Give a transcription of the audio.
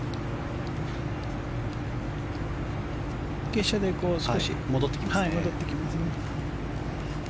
傾斜で少し戻ってきますね。